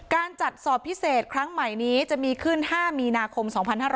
การจัดสอบพิเศษครั้งใหม่นี้จะมีขึ้น๕มีนาคม๒๕๕๙